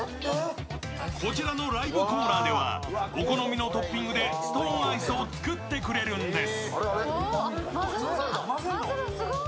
こちらのライブコーナーではお好みのトッピングでストーンアイスを作ってくれるんです。